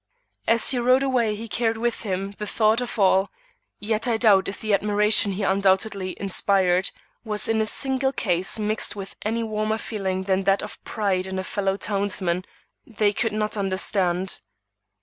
As he rode away he carried with him the thought of all, yet I doubt if the admiration he undoubtedly inspired, was in a single case mixed with any warmer feeling than that of pride in a fellow townsman they could not understand.